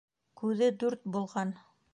Күҙе дүрт булған.